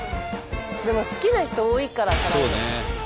でも好きな人多いから辛いの。